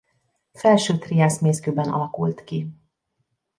Felső triász mészkőben alakult ki.